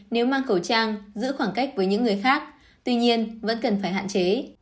nếu mang khẩu trang giữ khoảng cách với những người khác tuy nhiên vẫn cần phải hạn chế